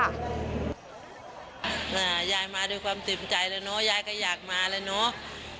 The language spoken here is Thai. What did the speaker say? ยายมาด้วยความเต็มใจแล้วเนอะยายก็อยากมาแล้วเนาะ